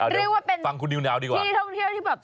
เรียกว่าเป็นที่ท่องเที่ยวที่แบบฟังคุณนิวนาวดีกว่า